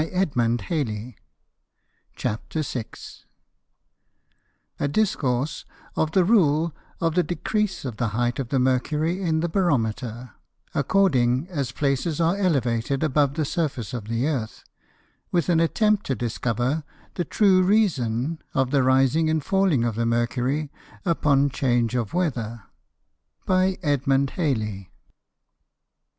Edm. Halley_._] _A Discourse of the Rule of the Decrease of the height of the Mercury in the Barometer, according as Places are elevated above the Surface of the Earth; with an Attempt to discover the true Reason of the Rising and Falling of the Mercury, upon Change of Weather. By Edm. Halley.